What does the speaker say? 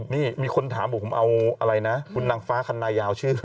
นี่มีคนถามบอกผมเอาอะไรนะคุณนางฟ้าคันนายาวชื่อ